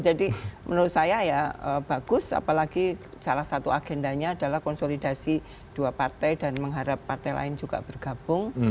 jadi menurut saya ya bagus apalagi salah satu agendanya adalah konsolidasi dua partai dan mengharap partai lain juga bergabung